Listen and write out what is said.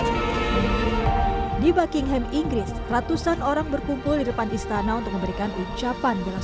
hai di buckingham inggris ratusan orang berkumpul di depan istana untuk memberikan ucapan jelas